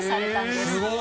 すごい。